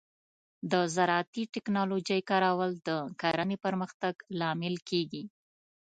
د زراعتي ټیکنالوجۍ کارول د کرنې پرمختګ لامل کیږي.